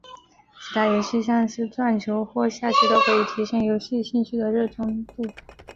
其他游戏像是撞球或下棋都可以提升游戏兴趣的热衷度。